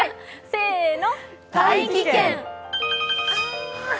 せーの。